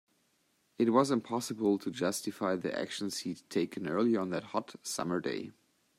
It was impossible to justify the actions he'd taken earlier on that hot, summer day.